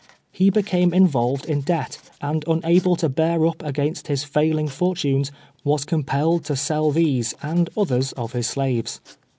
lie became involved in debt, and unable to bear up against bis foiling fortunes, was compelled to sell these, and others of his slaves.